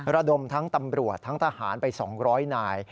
ระดมทั้งตำรวจทั้งทหารไป๒๐๐นาย